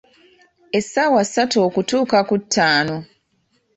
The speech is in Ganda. Essaawa ssatu okutuuka ku ttaano.